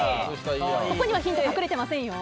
ここにはヒント隠れてませんよ。